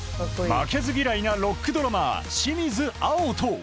負けず嫌いなロックドラマー清水碧大